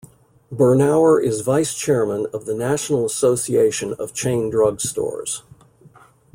Bernauer is Vice Chairman of the National Association of Chain Drug Stores.